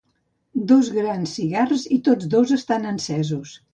Dos grans cigars i tots dos estan encesos.